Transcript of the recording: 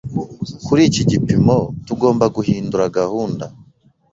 Kuri iki gipimo, tugomba guhindura gahunda.